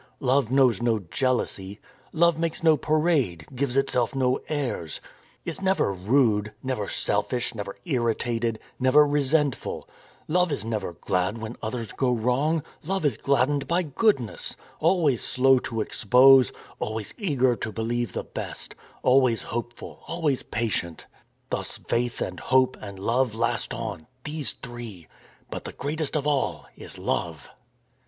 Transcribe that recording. Love knows no jealousy; love makes no parade, gives itself no airs, is never rude, never selfish, never irritated, never resentful; love is never glad when others go wrong, love is gladdened by goodness, always slow to ex pose, always eager to believe the best, always hopeful, always patient. ... Thus faith and hope and love last on, these three, but the greatest of all is Love."